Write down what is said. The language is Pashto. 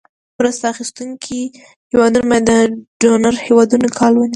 مرسته اخیستونکې هېوادونو باید د ډونر هېوادونو کالي رانیسي.